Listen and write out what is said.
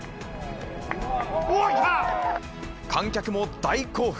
観客も大興奮。